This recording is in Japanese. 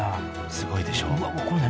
すごいでしょ？